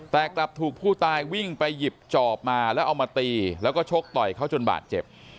แต่กลับถูกผู้ตายวิ่งไปหยิบจอบมาแล้วเอามาตีแล้วก็ชกต่อยเขาจนบาดเจ็บ